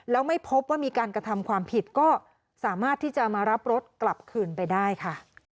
แล้วไม่พบว่ามีการกระทำความผิดก็สามารถที่จะมารับรถกลับคืนไปได้ค่ะ